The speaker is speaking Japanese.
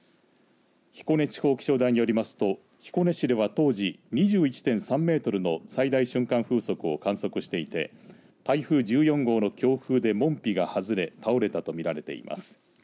彦根地方気象台によりますと彦根市では当時２１．３メートルの最大瞬間風速を観測していて台風１４号の強風で門扉が外れ倒れたと見られています。